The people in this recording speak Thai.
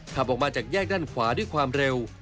ขับออกมาจากแยกด้านขวาด้วยความเร็ว